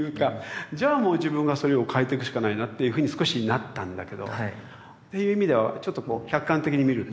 じゃあもう自分がそれを変えていくしかないなっていうふうに少しなったんだけど。っていう意味ではちょっとこう客観的に見るということはね。